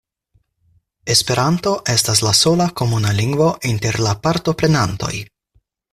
Esperanto estas la sola komuna lingvo inter la partoprenantoj.